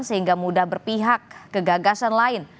sehingga mudah berpihak ke gagasan lain